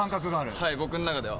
はい、僕の中では。